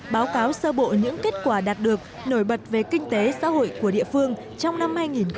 báo cáo sơ bộ những kết quả đạt được nổi bật về kinh tế xã hội của địa phương trong năm hai nghìn một mươi chín